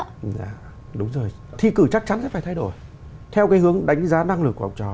đúng rồi thi cử chắc chắn sẽ phải thay đổi theo cái hướng đánh giá năng lực của học trò